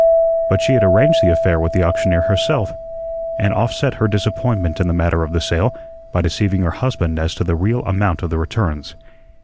But she had arranged the affair with the auctioneer herself, and offset her disappointment in the matter of the sale by deceiving her husband as to the real amount of the returns.